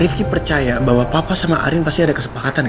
rifki percaya bahwa papa sama arin pasti ada kesepakatan ya